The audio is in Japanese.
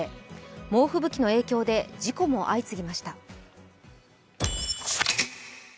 猛吹雪の影響で事故も相次ぎました。